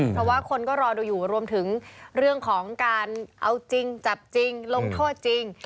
เพราะว่าคนก็รอดูอยู่รวมถึงเรื่องของการเอาจริงจับจริงลงโทษจริง